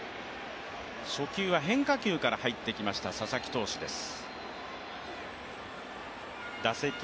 初球は変化球から入ってきました佐々木投手です。